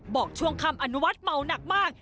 บอกช่วงคำอนุวัติเมาหนักมาก